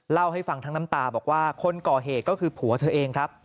เล่าให้ฟังทั้งน้ำตาบอกว่าคนก่อเหตุก็คือผัวเธอเองครับ